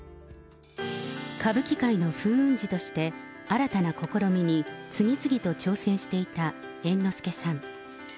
歌舞伎界の風雲児として、新たな試みに次々と挑戦していた猿之助さん。